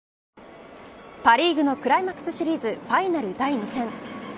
パ・リーグのクライマックスシリーズファイナル第２戦。